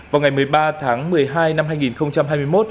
vào ngày một mươi ba tháng một mươi hai năm hai nghìn hai mươi một